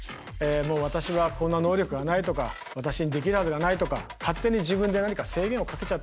私はこんな能力がないとか私にできるはずがないとか勝手に自分で何か制限をかけちゃってんですよね。